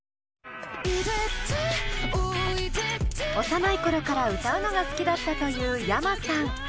幼い頃から歌うのが好きだったというｙａｍａさん。